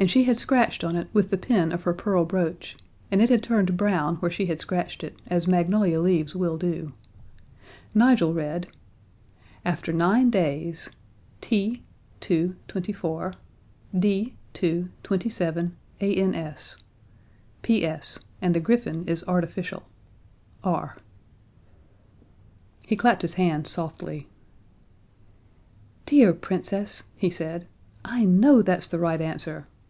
And she had scratched on it with the pin of her pearl brooch, and it had turned brown where she had scratched it, as magnolia leaves will do. Nigel read: AFTER NINE DAYS T ii. 24. D ii. 27 Ans. P.S. And the griffin is artificial. R. He clapped his hands softly. "Dear Princess," he said, "I know that's the right answer.